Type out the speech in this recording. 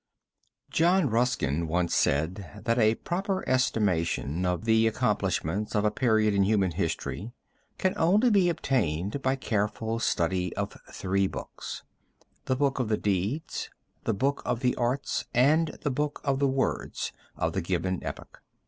John Ruskin once said that a proper estimation of the accomplishments of a period in human history can only be obtained by careful study of three books The Book of the Deeds, The Book of the Arts, and the Book of the Words, of the given epoch.